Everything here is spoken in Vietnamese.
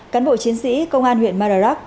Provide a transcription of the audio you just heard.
cán bộ chiến sĩ công an huyện madarak